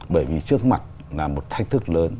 bởi vì trước mặt là một thách thức lớn